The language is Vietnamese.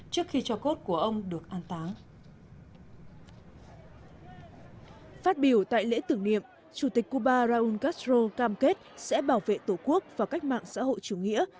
chủ tịch raul castro cam kết sẽ bảo vệ tổ quốc và cách mạng xã hội chủ nghĩa